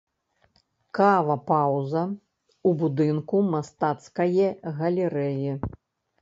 Кава-пауза ў будынку мастацкае галерэі.